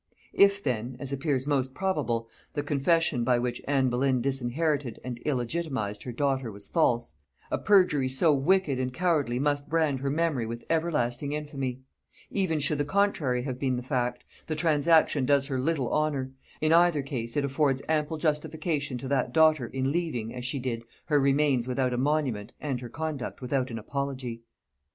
If then, as appears most probable, the confession by which Anne Boleyn disinherited and illegitimatised her daughter was false; a perjury so wicked and cowardly must brand her memory with everlasting infamy: even should the contrary have been the fact, the transaction does her little honor; in either case it affords ample justification to that daughter in leaving, as she did, her remains without a monument and her conduct without an apology. [Note 1: Lord Herbert of Chirbury.